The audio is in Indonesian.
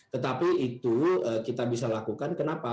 tetapi itu kita bisa lakukan kenapa